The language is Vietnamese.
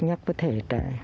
nhắc với thế hệ trẻ